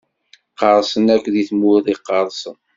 Qqersen akk di tmurt iqersen.